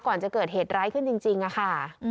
ก่อนจะเกิดเหตุร้ายขึ้นจริงค่ะ